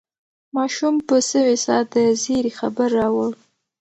ماشوم په سوې ساه د زېري خبر راوړ.